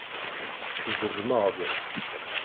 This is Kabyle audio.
Zedmeɣ-d.